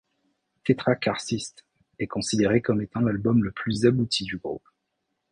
Tetra Karcist est considéré comme étant l'album le plus abouti du groupe.